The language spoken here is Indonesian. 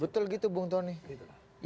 betul gitu bu tony